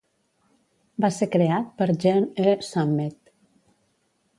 Va ser creat per Jean E. Sammet.